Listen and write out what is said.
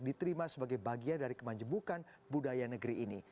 diterima sebagai bagian dari kemanjebukan budaya negeri ini